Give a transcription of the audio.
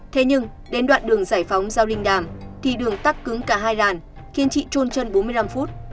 thế nhưng đến đoạn đường giải phóng giao linh đàm thì đường tắt cứng cả hai làn khiến chị trôn chân bốn mươi năm phút